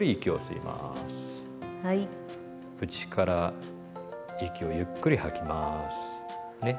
口から息をゆっくり吐きますね。